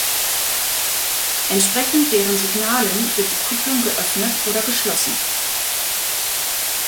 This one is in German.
Entsprechend deren Signalen wird die Kupplung geöffnet oder geschlossen.